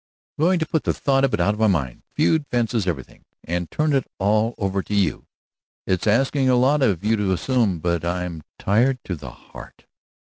"I'm going to put the thought of it out of my mind, feud, fences, everything and turn it all over to you. It's asking a lot of you to assume, but I'm tired to the heart."